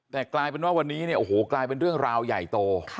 แต่กลายเป็นว่าวันนี้เนี่ยโอ้โหกลายเป็นเรื่องราวใหญ่โต